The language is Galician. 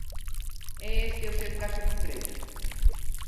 É este o seu caso concreto?